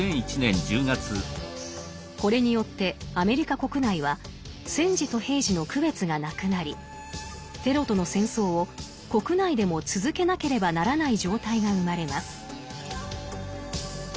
これによってアメリカ国内は戦時と平時の区別がなくなりテロとの戦争を国内でも続けなければならない状態が生まれます。